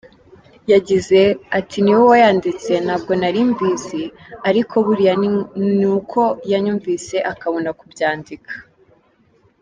Yagize ati :”Niwe wayanditse ntabwo nari mbizi, ariko buriya ni uko yanyumvise akabona kubyandika”.